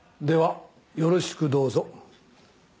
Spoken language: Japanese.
ではよろしくどうぞ。